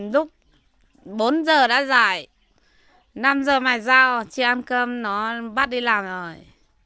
lúc bốn giờ đã dài năm giờ mà ra chị ăn cơm nó bắt đi làm rồi